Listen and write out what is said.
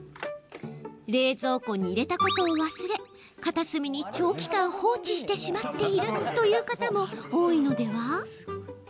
冷蔵庫に入れたことを忘れ片隅に長期間放置してしまっているという方も多いのでは？